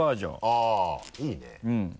あぁいいね。